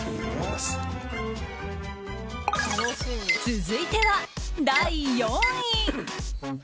続いては第４位。